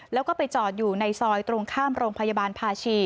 แล้วก็ไปจอดอยู่ในซอยตรงข้ามโรงพยาบาลภาชี